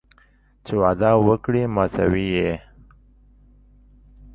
چې وعده وکړي ماتوي یې